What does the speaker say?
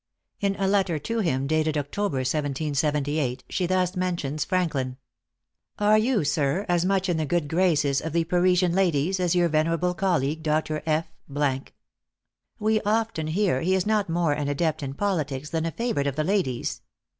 In a letter to him, dated October, 1778, she thus mentions Franklin: "Are you, sir, as much in the good graces of the Parisian ladies, as your venerable colleague, Dr. F ? We often hear he is not more an adept in politics than a favorite of the ladies.